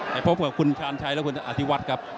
ไปพบกับคุณชาญชัยและคุณอธิวัฒน์ครับ